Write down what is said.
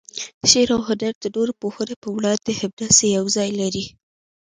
شعر و هنر د نورو پوهنو په وړاندې همداسې یو ځای لري.